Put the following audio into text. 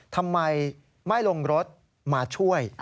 ทำไมไม่ลงรถมาช่วย